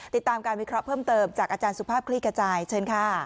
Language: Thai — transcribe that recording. ติดตามการวิเคราะห์เพิ่มเติมจากอาจารย์สุภาพคลี่ขจายเชิญค่ะ